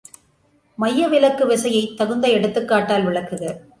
மைய விலக்கு விசையைத் தகுந்த எடுத்துக்காட்டால் விளக்குக.